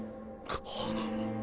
あっ。